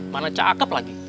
mana cakep lagi